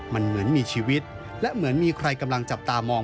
มันเหมือนมีชีวิตและเหมือนมีใครกำลังจับตามอง